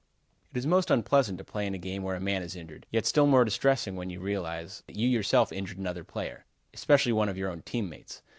It is most unpleasant to play in a game where a man is injured. Yet still more distressing when you realize that you yourself injured another player, especially one of your own team mates.